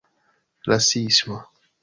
rasisma